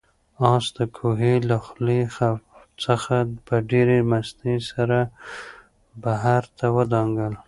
آس د کوهي له خولې څخه په ډېرې مستۍ سره بهر ته ودانګل.